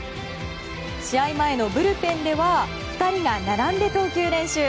試合前のブルペンでは２人が並んで投球練習。